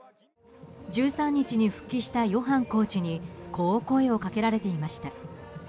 １３日に復帰したヨハンコーチにこう声をかけられていました。